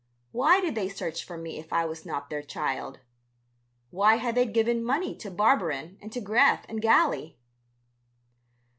"Why did they search for me if I was not their child? Why had they given money to Barberin and to Greth and Galley?"